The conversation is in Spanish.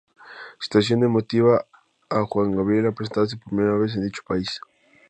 Situación que motiva a Juan Gabriel a presentarse por primera vez en dicho país.